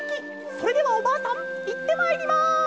それではおばあさんいってまいります！」。